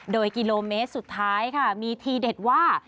โดยกิโลเมตรสุดท้ายค่ะมีทีเด็ดว่า